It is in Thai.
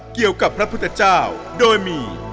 เกี่ยวกับพระพุทธเจ้าโดยมี